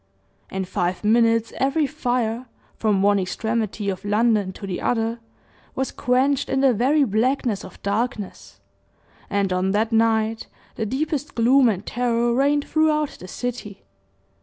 In five minutes, every fire, from one extremity of London to the other, was quenched in the very blackness of darkness, and on that night the deepest gloom and terror reigned throughout the city.